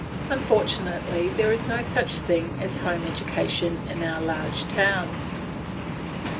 Unfortunately, there is no such thing as home education in our large towns.